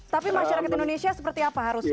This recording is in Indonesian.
tapi masyarakat indonesia seperti apa harusnya